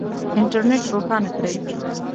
انټرنېټ روښانه کړئ